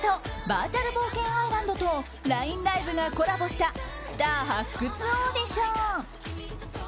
バーチャル冒険アイランドとＬＩＮＥＬＩＶＥがコラボしたスター発掘オーディション！